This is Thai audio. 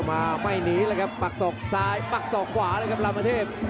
ลำเมอเทพแต่งตัวเร็วกว่าครับ